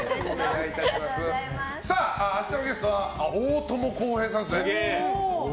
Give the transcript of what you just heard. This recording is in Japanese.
明日のゲストは大友康平さんですね。